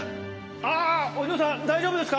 ああお嬢さん大丈夫ですか？